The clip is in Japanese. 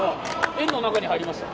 円の中に入りました。